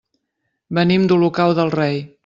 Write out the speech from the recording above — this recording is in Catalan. Venim d'Olocau del Rei.